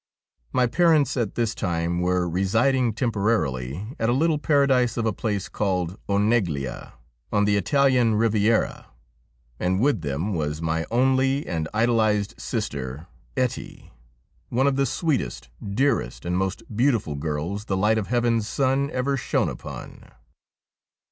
My parents at this time were residing temporarily at a little paradise of a place called Oneglia, on the Italian Riviera, and with them was my only and idolised sister, Ettie, one of the sweetest, dearest, and most beautiful girls the light of heaven's sun ever shone upon.